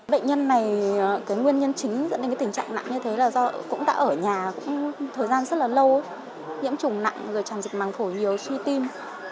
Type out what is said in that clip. bệnh nhân này cái nguyên nhân chính dẫn đến cái tình trạng nặng như thế là do cũng đã ở nhà cũng thời gian rất là lâu nhiễm trùng nặng rồi tràn dịch màng phổi nhiều suy tim